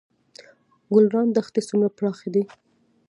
ګلران دښتې څومره پراخې دي؟